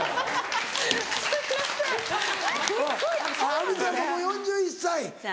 亜美ちゃんももう４１歳。